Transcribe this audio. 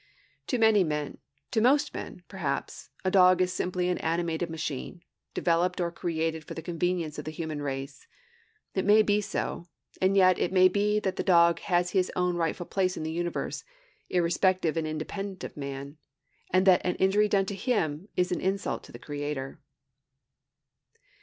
To many men, to most men, perhaps, a dog is simply an animated machine, developed or created for the convenience of the human race. It may be so; and yet again it may be that the dog has his own rightful place in the universe, irrespective and independent of man, and that an injury done to him is an insult to the Creator.